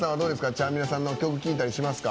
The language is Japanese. ちゃんみなさんの曲聴いたりしますか？